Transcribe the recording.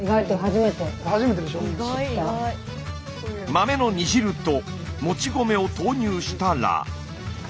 豆の煮汁ともち米を投入したら。